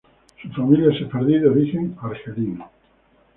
Su familia es sefardí de origen argelino.